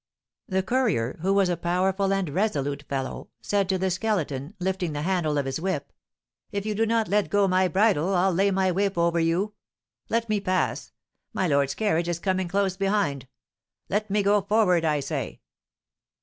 The courier, who was a powerful and resolute fellow, said to the Skeleton, lifting the handle of his whip, "If you do not let go my bridle I'll lay my whip over you. Let me pass; my lord's carriage is coming close behind. Let me go forward, I say."